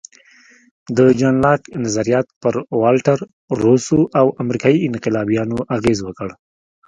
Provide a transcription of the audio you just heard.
د جان لاک نظریات پر والټر، روسو او امریکایي انقلابیانو اغېز وکړ.